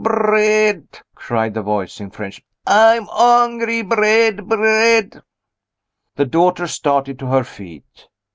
"Bread!" cried the voice in French; "I'm hungry. Bread! bread!" The daughter started to her feet.